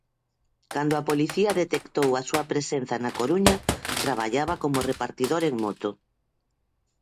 Cando a policía detectou a súa presenza na Coruña traballaba como repartidor en moto.